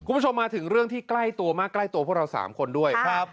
คุณผู้ชมมาถึงเรื่องที่ใกล้ตัวมากใกล้ตัวพวกเรา๓คนด้วยครับ